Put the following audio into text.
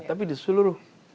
tapi di seluruh